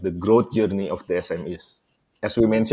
seperti yang saya sebutkan sebelumnya